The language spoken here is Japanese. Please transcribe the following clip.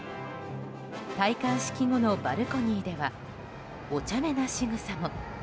戴冠式後のバルコニーではおちゃめなしぐさも。